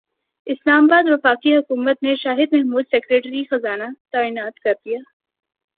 اسلام اباد وفاقی حکومت نے شاہد محمود سیکریٹری خزانہ تعینات کردیا